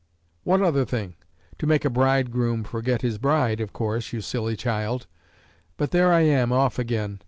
"What other thing?" "To make a bridegroom forget his bride, of course, you silly child! But there I am, off again!